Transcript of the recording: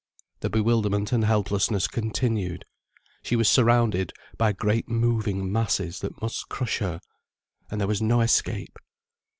The bewilderment and helplessness continued, she was surrounded by great moving masses that must crush her. And there was no escape.